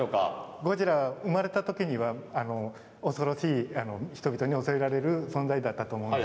ゴジラ生まれた時には恐ろしい人々に恐れられる存在だったと思うんです。